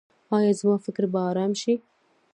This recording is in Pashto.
ایا زما فکر به ارام شي؟